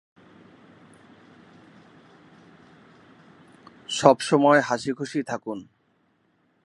এটি রাজের চতুর্থ ছবি।